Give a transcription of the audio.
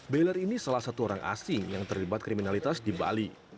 bailler ini salah satu orang asing yang terlibat kriminalitas di bali